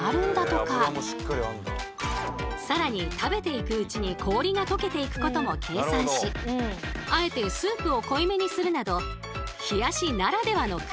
さらに食べていくうちに氷がとけていくことも計算しあえてスープを濃いめにするなど冷やしならではの工夫も。